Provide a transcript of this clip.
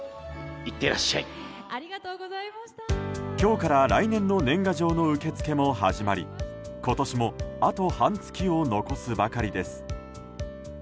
今日から、来年の年賀状の受け付けも始まり今年もあと半月を残すばかりです。